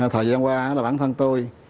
thời gian qua bản thân tôi